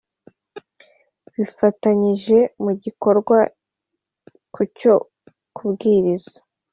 bifatanyije mugikorwa kucyo kubwiriza